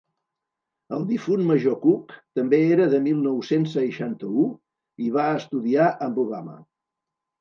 El difunt major Cook també era de mil nou-cents seixanta-u i va estudiar amb Obama.